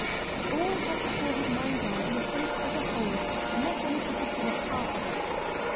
He always had before his mind's eye the estate as a whole and not any particular part of it.